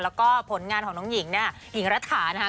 แล้วก็ผลงานของน้องหญิงเนี่ยหญิงรัฐานะคะ